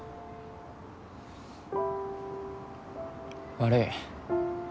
悪い。